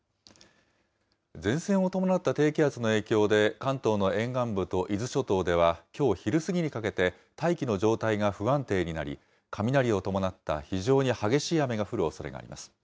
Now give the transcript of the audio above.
前線を伴った低気圧の影響で、関東の沿岸部と伊豆諸島ではきょう昼過ぎにかけて、大気の状態が不安定になり、雷を伴った非常に激しい雨が降るおそれがあります。